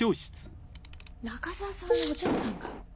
中沢さんのお嬢さんが？